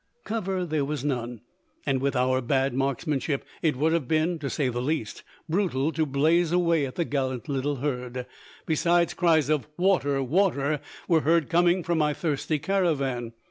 Cover there was none, and with our bad marksmanship it would have been (to say the least) brutal to blaze away at the gallant little herd. Besides, cries of "water!" "water!" were heard coming from my thirsty caravan.